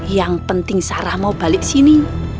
yang penting sarah mau balik sini